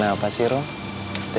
di depan rumah